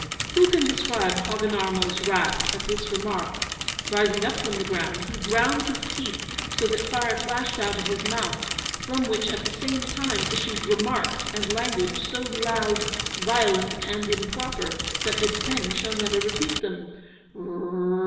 Who can describe Hogginarmo's wrath at this remark? Rising up from the ground, he ground his teeth so that fire flashed out of his mouth, from which at the same time issued remarks and language, so LOUD, VIOLENT, AND IMPROPER, that this pen shall never repeat them!